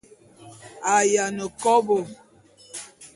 A yiane kobô.